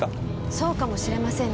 そうかもしれませんね。